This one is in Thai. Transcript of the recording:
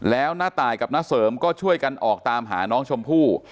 แล้วน้าตายกับน้าเสริมก็ช่วยกันออกตามหาน้องชมพู่